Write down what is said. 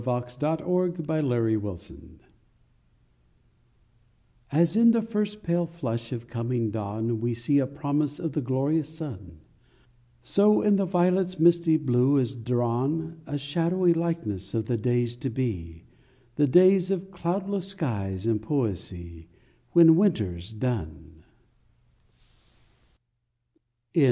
THE VIOLET As in the first pale flush of coming dawn We see a promise of the glorious sun, So in the violet's misty blue is drawn A shadowy likeness of the days to be, The days of cloudless skies and poesie, When Winter's done.